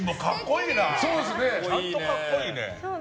ちゃんと格好いいね。